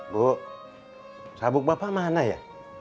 bu sabuk bapak mana ya